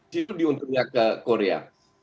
di situ diuntungkan ke korea